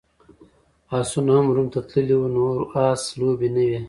اسونه هم روم ته تللي وو، نور اس لوبې نه وې.